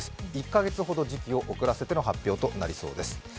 １カ月ほど時期を遅らせての発表となりそうです。